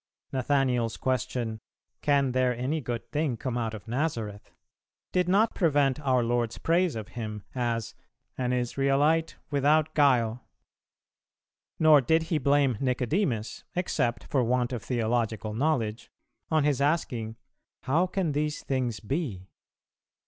Nathanael's question "Can there any good thing come out of Nazareth?" did not prevent our Lord's praise of him as "an Israelite without guile." Nor did He blame Nicodemus, except for want of theological knowledge, on his asking "How can these things be?"